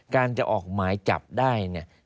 การจะออกหมายจับได้เนี่ย